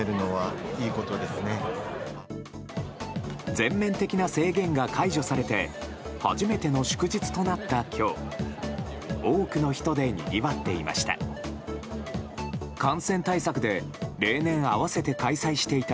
全面的な制限が解除されて初めての祝日となった今日多くの人でにぎわっていました。